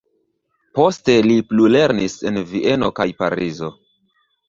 Poste li plulernis en Vieno kaj Parizo.